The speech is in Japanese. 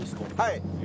はい。